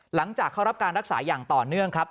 หลังจากเข้ารับการรักษาอย่างต่อเนื่องครับ